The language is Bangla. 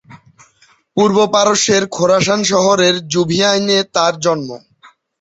পূর্ব পারস্যের খোরাসান শহরের জুভিআইন-এ তাঁর জন্ম।